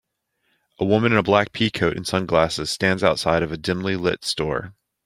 A woman in a black pea coat and sunglasses stands outside of a dimlylit store.